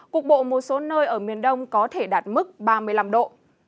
cục bộ một số nơi ở miền đông có thể đạt mức ba mươi năm độ